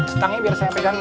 setangnya biar saya pegangin